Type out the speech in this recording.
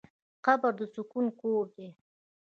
قبر د سکون کور دی.